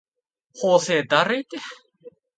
法政だるいて